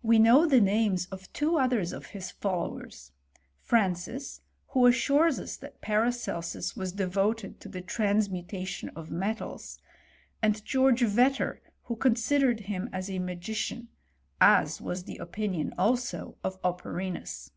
We know the names of two others of his followers; Francis, who assures us that Paracelsus was devoted to the trans mutation of metals; and George Vetter, who con sidered him as a magician ; as was the opinion also of Operinus.